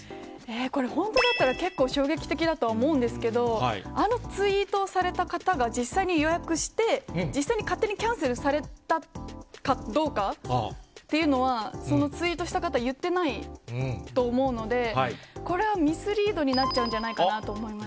これ、本当だったら、結構、衝撃的だと思うんですけど、あのツイートされた方が、実際に予約して、実際に勝手にキャンセルされたかどうかっていうのは、そのツイートした方、言ってないと思うので、これはミスリードになっちゃうんじゃないなるほど。